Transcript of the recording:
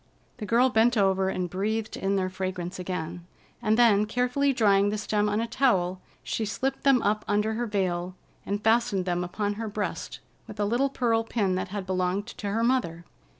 The girl bent over and breathed in their fragrance again, and then, carefully drying the stem on a towel, she slipped them up under her veil and fastened them upon her breast with a little pearl pin that had belonged to her mother.